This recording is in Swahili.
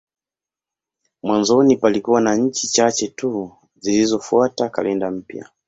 Mwanzoni palikuwa na nchi chache tu zilizofuata kalenda mpya.